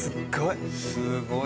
すごい。